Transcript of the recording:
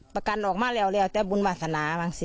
ประกันออกมาแล้วแต่บุญวาสนาบ้างสิ